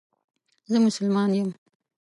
زه مسلمان یم